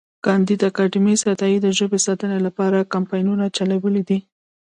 کانديد اکاډميسن عطایي د ژبې ساتنې لپاره کمپاینونه چلولي دي.